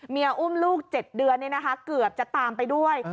อุ้มลูก๗เดือนเกือบจะตามไปด้วย